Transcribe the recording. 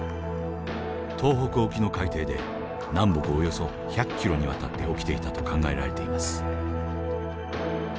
東北沖の海底で南北およそ１００ｋｍにわたって起きていたと考えられています。